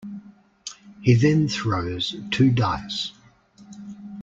He then throws two dice.